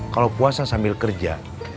kalau puasa sambil kerja